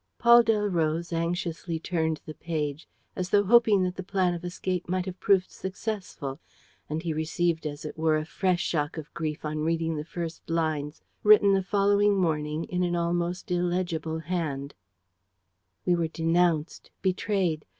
Paul Delroze anxiously turned the page, as though hoping that the plan of escape might have proved successful; and he received, as it were, a fresh shock of grief on reading the first lines, written the following morning, in an almost illegible hand: "We were denounced, betrayed.